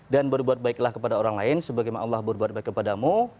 dan berbuat baiklah kepada orang lain sebagaimana allah berbuat baik kepadamu